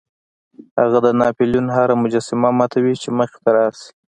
هغه د ناپلیون هره مجسمه ماتوي چې مخې ته راشي.